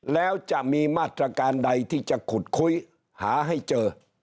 แล้วจะมีมาตรการใดที่จะขุดคุยหาให้เจอ